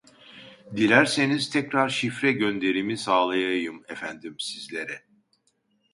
Dilerseniz tekrar şifre gönderimi sağlayayım efendim sizlere